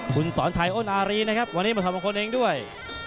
คุณสอนชัยอ้นอารีนะครับวันนี้มาถอดมงคลเองด้วย